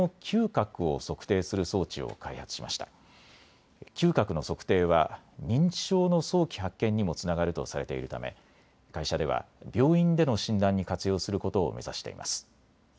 嗅覚の測定は認知症の早期発見にもつながるとされているため会社では病院での診断に活用することを目指しています。